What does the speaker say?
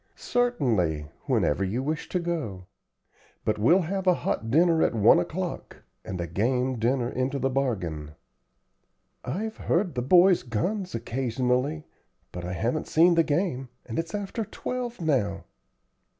"Certainly, whenever you wish to go; but we'll have a hot dinner at one o'clock, and a game dinner into the bargain." "I've heard the boys' guns occasionally, but I haven't seen the game, and it's after twelve now."